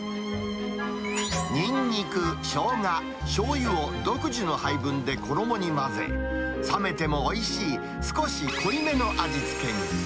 ニンニク、ショウガ、しょうゆを独自の配分で衣に混ぜ、冷めてもおいしい、少し濃いめの味付けに。